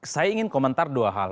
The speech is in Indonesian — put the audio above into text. saya ingin komentar dua hal